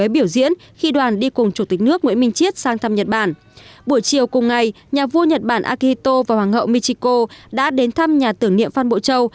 buổi chiều cùng ngày nhà vua nhật bản akito và hoàng hậu michiko đã đến thăm nhà tưởng niệm phan bộ châu